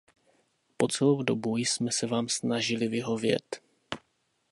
Po celou dobu jsme se vám snažili vyhovět.